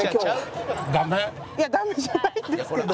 いやダメじゃないんですけど。